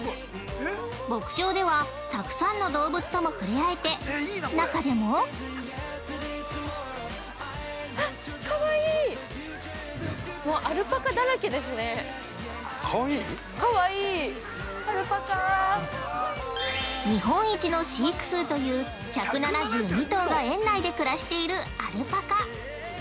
牧場ではたくさんの動物とも触れ合えてなかでも◆日本一の飼育数という１７２頭が園内で暮らしているアルパカ。